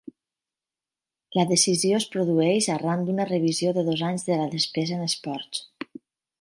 La decisió és produeix arran d'una revisió de dos anys de la despesa en esports.